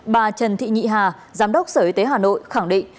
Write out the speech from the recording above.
bà trần thị nhị hà giám đốc sở y tế hà nội khẳng định